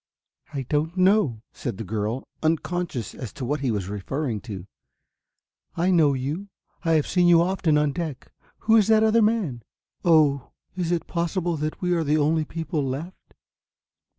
"I don't know," said the girl, unconscious as to what he was referring to. "I know you, I have seen you often on deck who is the other man? Oh, is it possible that we are the only people left?"